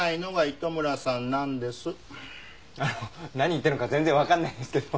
あの何言ってるのか全然わかんないんですけど。